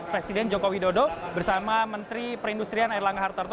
presiden joko widodo bersama menteri perindustrian erlangga hartarto